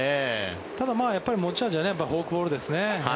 ただ、やっぱり持ち味はフォークボールですね。